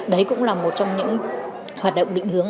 đấy cũng là một trong những hoạt động định hướng